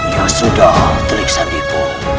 ya sudah telik sandiqo